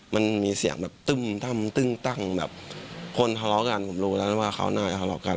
มันมีเสียงแบบตึ้มตั้มตึ้งตั้งแบบคนทะเลาะกันผมรู้แล้วว่าเขาน่าจะทะเลาะกัน